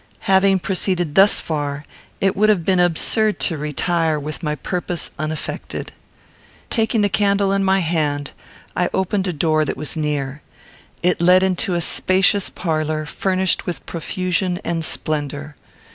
Having proceeded thus far, it would have been absurd to retire with my purpose uneffected. Taking the candle in my hand, I opened a door that was near. It led into a spacious parlour, furnished with profusion and splendour.